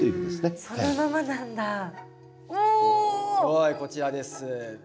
はいこちらです。